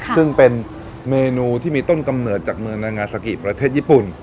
ซึ่งเป็นเมนูที่มีต้นกำเนิดจากเมืองนางาซากิประเทศญี่ปุ่น